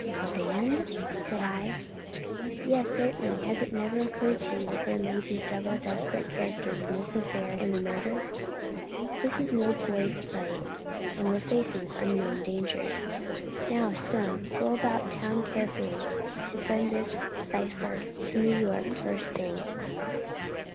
"A band!" said I. "Yes, certainly. Has it never occurred to you that there may be several desperate characters in this affair and the murder? This is no boy's play; we are facing unknown dangers. Now, Stone, go about town carefully, and send this cipher to New York first thing.